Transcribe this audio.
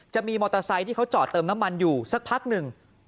จะมีมอเตอร์ไซค์ที่เขาจอดเติมน้ำมันอยู่สักพักหนึ่ง